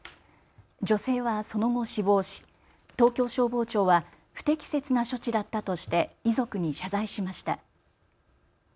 女性はその後、死亡し東京消防庁は不適切な処置だったとして遺族に謝罪しました。